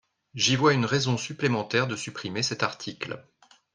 J’y vois une raison supplémentaire de supprimer cet article.